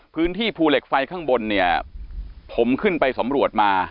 พื้นที่ภูเหล็กไฟข้างบนเนี่ยผมขึ้นไปสำรวจมา